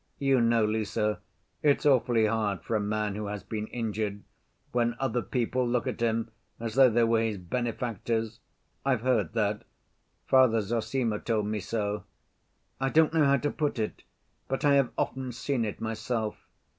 You know, Lise, it's awfully hard for a man who has been injured, when other people look at him as though they were his benefactors.... I've heard that; Father Zossima told me so. I don't know how to put it, but I have often seen it myself.